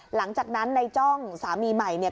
หลังจากนั้นในจ้องสามีใหม่เนี่ย